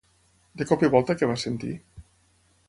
De cop i volta què va sentir?